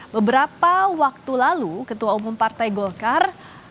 beberapa waktu lalu ketua umum partai golkar